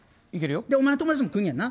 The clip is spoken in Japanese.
お前の友達もくんやんな。